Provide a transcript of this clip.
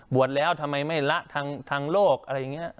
แล้วทำไมไม่ละทางโลกอะไรอย่างนี้